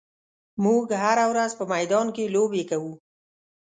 موږ هره ورځ په میدان کې لوبې کوو.